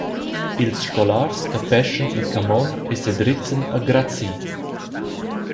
Ils scolars capeschan il camond e sedrezzan agradsi.